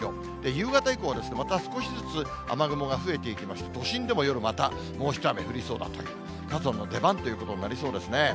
夕方以降は、また少しずつ雨雲が増えていきまして、都心でも夜、またもう一雨降りそうだという、傘の出番ということになりそうですね。